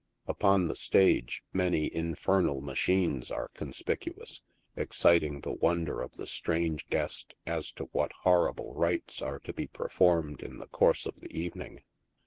Upon the stage many " infernal machines" are conspicuous, exciting the wonder of the strange guest as to what horrible rites are to be performed in the course of the evening.